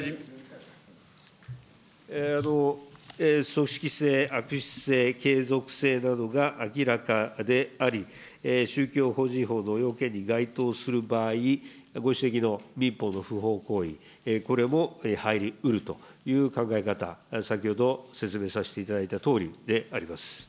組織性、悪質性、継続性などが明らかであり、宗教法人法の要件に該当する場合、ご指摘の民法の不法行為、これも入りうるという考え方、先ほど説明させていただいたとおりであります。